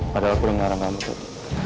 padahal aku dengar orang kamu cet